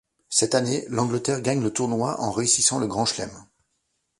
Cette année, l'Angleterre gagne le Tournoi en réussissant le Grand Chelem.